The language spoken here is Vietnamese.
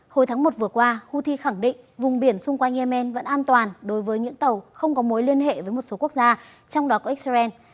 hồi tháng một vừa qua houthi khẳng định vùng biển xung quanh yemen vẫn an toàn đối với những tàu không có mối liên hệ với một số quốc gia trong đó có israel